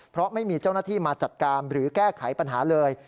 เพราะไม่มีเจ้าหน้าที่มาจัดการหรือแก้ไขปัญหาเลย